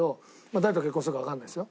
誰と結婚するかわかんないですよ？